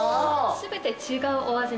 全て違うお味の。